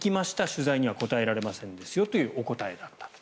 取材には答えられませんというお答えだった。